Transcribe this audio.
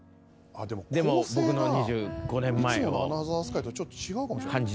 でも構成がいつもの『アナザースカイ』とちょっと違うかもしれない。